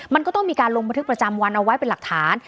มันก็ต้องมีการลงบันทึกประจำวันเอาไว้เป็นหลักฐาน